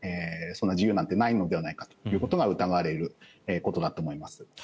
自由なんてないのではないかということが疑われることだと思います。